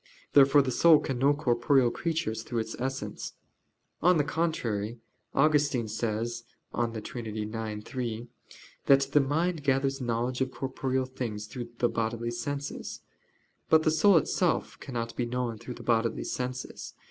Therefore the soul can know corporeal creatures through its essence. On the contrary, Augustine says (De Trin. ix, 3) that "the mind gathers knowledge of corporeal things through the bodily senses." But the soul itself cannot be known through the bodily senses.